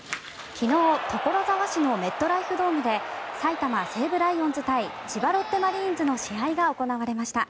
昨日所沢市のメットライフドームで埼玉西武ライオンズ対千葉ロッテマリーンズの試合が行われました。